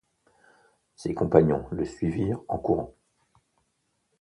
Ses compagnons le suivirent en courant.